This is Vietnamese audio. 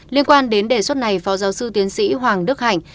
liên quan đến đề xuất này phó giáo sư tiến sĩ hoàng đức hạnh